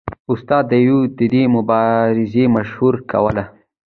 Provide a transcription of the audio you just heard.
استاد یون د دې مبارزې مشري کوله